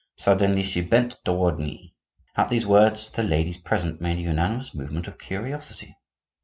Suddenly, she bent toward me." At these words the ladies present made a unanimous movement of curiosity.